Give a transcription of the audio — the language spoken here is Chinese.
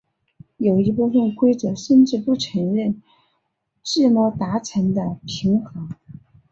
有一部分规则甚至不承认自摸达成的平和。